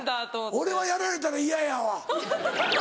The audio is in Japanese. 俺はやられたら嫌やわ。